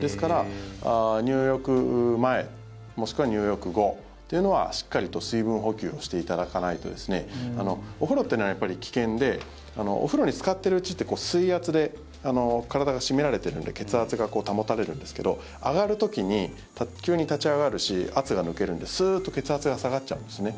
ですから、入浴前もしくは入浴後というのはしっかりと水分補給をしていただかないとお風呂というのは危険でお風呂につかってるうちって水圧で体が締められているので血圧が保たれるんですけど上がる時に急に立ち上がるし圧が抜けるのですーっと血圧が下がっちゃうんですね。